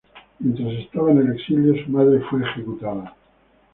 Mientras estaba en el exilio, su madre fue ejecutada.